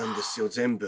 全部。